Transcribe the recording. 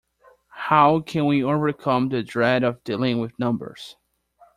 How can we overcome the dread of dealing with numbers?